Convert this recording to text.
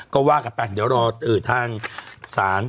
ก็ว่ากันไปเดี๋ยวรอทางศาล